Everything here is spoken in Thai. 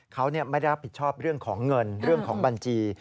เขาไม่ได้รับผิดชอบเรื่องของเงินเรื่องของบัญชี